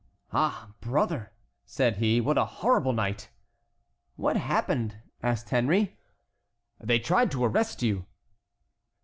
"Ah, brother," said he, "what a horrible night!" "What happened?" asked Henry. "They tried to arrest you."